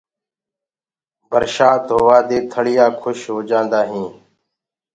برشآت هووآ دي ٿݪيآ کُش هوجآنٚدآ هينٚ